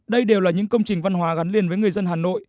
đây đều là những công trình văn hóa gắn liền với người dân hà nội